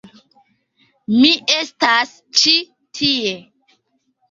Mi estas ĉi tie...